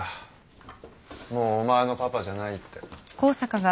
もうお前のパパじゃないって。